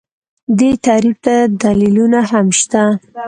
دې تعریف ته دلیلونه هم شته